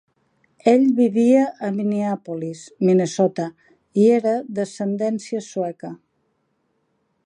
Ell vivia a Minneapolis, Minnesota, i era d'ascendència sueca.